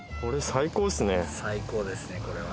最高ですねこれは。